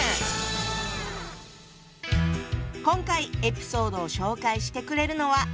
今回エピソードを紹介してくれるのは。